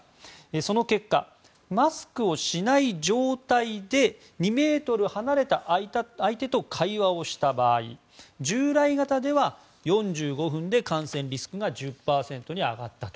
その結果、マスクをしない状態で２ｍ離れた相手と会話をした場合、従来型では４５分で可能性リスクが１０％に上がったと。